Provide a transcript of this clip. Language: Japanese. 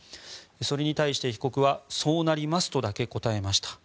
それに対して被告はそうなりますとだけ答えました。